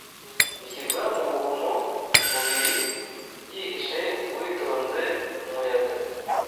Bishyirwa mu buvumo bubiri Byihishe witonze umuyaga